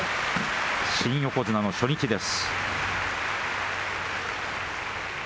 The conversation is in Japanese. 新横綱の初日です。